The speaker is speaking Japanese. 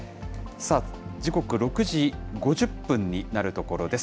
時刻６時５０分になるところです。